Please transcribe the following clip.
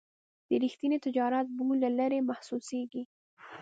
د رښتیني تجارت بوی له لرې محسوسېږي.